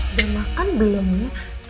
udah makan belum ya